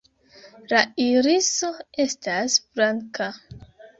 La iriso estas blanka.